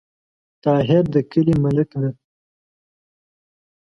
طاهر د کلې ملک ده